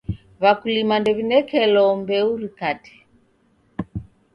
W'akulima ndew'inekelo mbeu rikate.